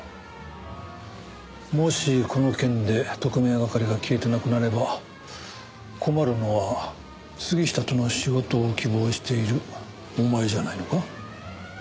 もしこの件で特命係が消えてなくなれば困るのは杉下との仕事を希望しているお前じゃないのか？